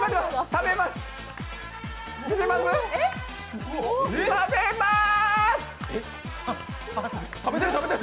食べまーす。